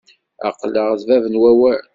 Aql-ak d bab n wawal.